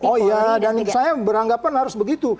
oh iya dan saya beranggapan harus begitu